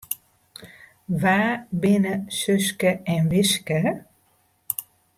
Wa binne Suske en Wiske?